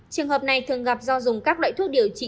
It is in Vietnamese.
trường hợp này thường gặp do dùng các loại thuốc điều trị